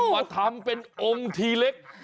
มาทำเป็นองค์ทีเล็ก